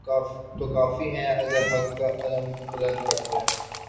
تو کوفی ہیں اور اگر حق کا علم بلند کرتے